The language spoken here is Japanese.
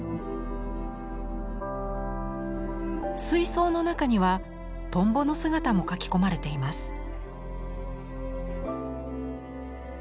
水槽の中にはトンボの姿も描き込まれています。